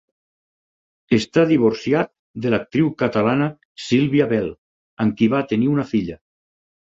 Està divorciat de l'actriu catalana Sílvia Bel, amb qui va tenir una filla.